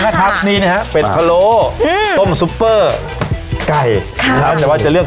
นะครับนี่นะฮะเป็ดพะโลอืมต้มซุปเปอร์ไก่ครับแต่ว่าจะเลือก